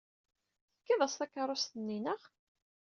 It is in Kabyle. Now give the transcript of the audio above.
Tefkid-as takeṛṛust-nni, naɣ?